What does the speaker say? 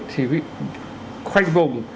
thì bị khoanh vùng